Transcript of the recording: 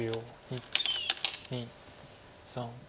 １２３。